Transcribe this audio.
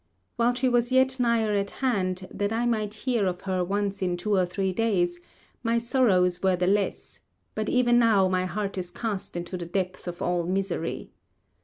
While she was yet nigher at hand, that I might hear of her once in two or three days, my sorrows were the less; but even now my heart is cast into the depth of all misery.